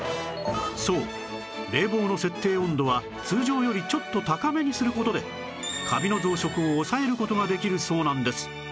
そう冷房の設定温度は通常よりちょっと高めにする事でカビの増殖を抑える事ができるそうなんです